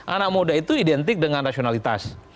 anak muda itu identik dengan rasionalitas